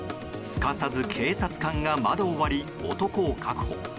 すかさず警察官が窓を割り男を確保。